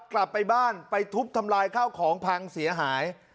กลับไปบ้านไปทุบทำลายข้าวของพังเสียหาย